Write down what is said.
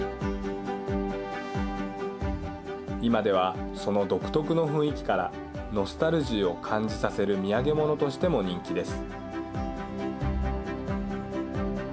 いまではその独特の雰囲気からノスタルジーを感じさせる土産物としても人気です。